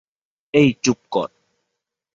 এই চুপ কর।